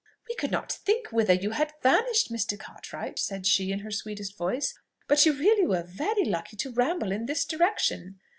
"We could not think whither you had vanished, Mr. Cartwright," said she, in her sweetest voice; "but you really were very lucky to ramble in this direction.